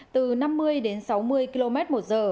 từ năm mươi đến sáu mươi km một giờ